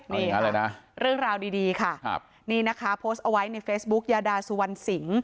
นี่อะไรนะเรื่องราวดีค่ะนี่นะคะโพสต์เอาไว้ในเฟซบุ๊คยาดาสุวรรณสิง